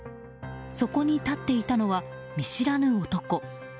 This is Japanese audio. そこに立っていたのは見知らぬ男。